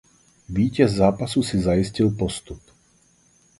Vítěz zápasu si zajistil postup.